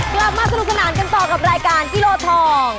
กลับมาสนุกสนานกันต่อกับรายการกิโลทอง